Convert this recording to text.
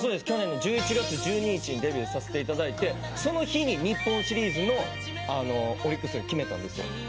去年の１１月１２日にデビューさせていただいてその日に日本シリーズのオリックスが決めたんですよ。